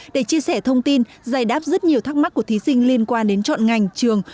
để chia sẻ thông tin giải đáp rất nhiều thắc mắc của thí sinh liên quan đến chọn ngành trường